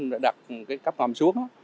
đào đất để đặt cái cắp ngầm xuống